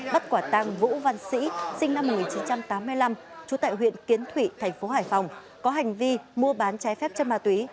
bắt quả tăng vũ văn sĩ sinh năm một nghìn chín trăm tám mươi năm trú tại huyện kiến thụy thành phố hải phòng có hành vi mua bán trái phép chất ma túy